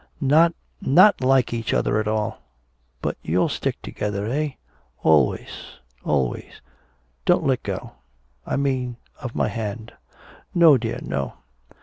Not not like each other at all. But you'll stick together eh? Always always. Don't let go I mean of my hand." "No, dear, no."